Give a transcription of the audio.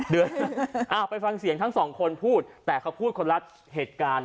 เดือนไปฟังเสียงทั้งสองคนพูดแต่เขาพูดคนละเหตุการณ์